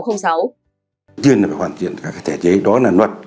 tiên là phải hoàn thiện các thể chế đó là luật